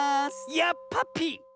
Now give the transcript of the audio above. やっぱぴ！